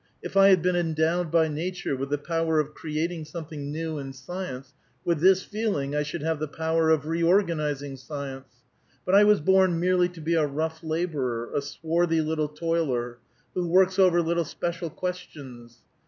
If I had been endowed by nature with the power of creating something new in science, with this feeling I should have the power of reorganizing science. But I was born merely to be a rough laborer, a swarthy little toiler, who works over little special questions.